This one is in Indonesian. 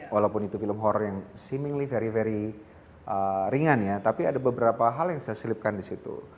walaupun itu film horror yang seemingly very very ringan ya tapi ada beberapa hal yang saya silipkan disitu